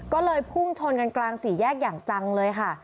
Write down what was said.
ก็เลยพุ่งชนกันกลางสี่แยกอย่างจังเลยค่ะ